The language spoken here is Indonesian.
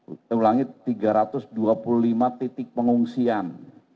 tiga ratus tujuh puluh ulangi tiga ratus dua puluh lima titik pengungsian